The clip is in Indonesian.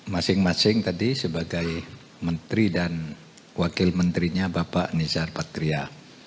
masing masing tadi sebagai menteri dan wakil menterinya bapak nizar patria